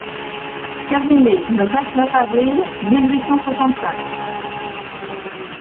Terminé le vingt-neuf avril mille huit cent soixante-cinq.